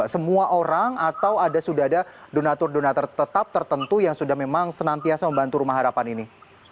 semua orang atau sudah ada donatur donatur tetap tertentu yang sudah memang senantiasa membantu rumah harapan ini